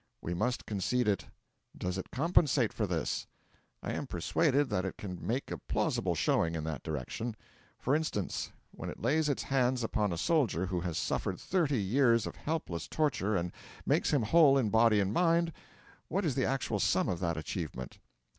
We must concede it. Does it compensate for this? I am persuaded that it can make a plausible showing in that direction. For instance: when it lays its hands upon a soldier who has suffered thirty years of helpless torture and makes him whole in body and mind, what is the actual sum of that achievement?